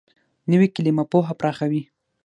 نوې کلیمه پوهه پراخوي